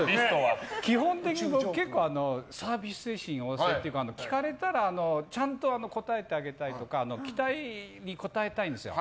基本的に僕、結構サービス精神旺盛っていうか聞かれたらちゃんと答えてあげたいとか期待に応えたいんですよ。